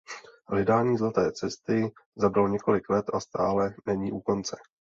Hledání zlaté cesty zabralo několik let a stále není u konce.